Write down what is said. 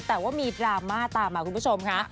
แต่ว่ามีดราม่าตามมาคุณผู้ชมค่ะ